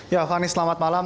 ya fani selamat malam